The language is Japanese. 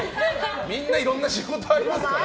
みんないろんな仕事ありますから。